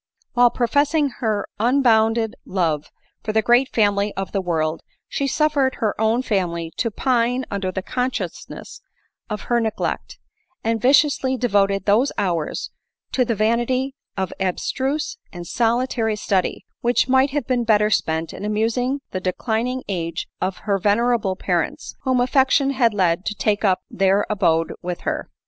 While professing her unbounded love for the great family of the world, she suffered her own family to pine under the consciousness of her neglect ; and viciously devoted those hours to the vanity of abstruse and solitary study, which might have been better spent in amusing the declining age onher ven erable parents, whom affection had led to take up their abode with. her.